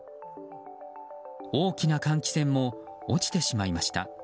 大きな換気扇も落ちてしまいました。